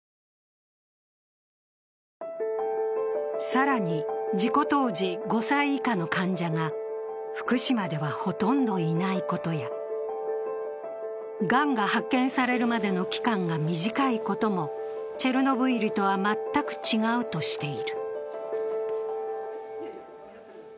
更に、事故当時５歳以下の患者が福島ではほとんどいないことやがんが発見されるまでの期間が短いこともチェルノブイリとは全く違うとしている。